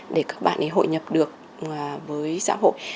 để các bạn hội nhập được với xã hội